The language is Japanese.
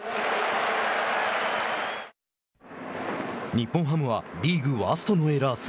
日本ハムはリーグワーストのエラー数。